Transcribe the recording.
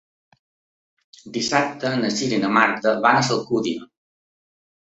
Dissabte na Cira i na Marta van a l'Alcúdia.